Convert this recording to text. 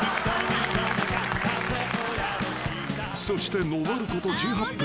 ［そして上ること１８分］